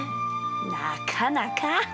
なかなか！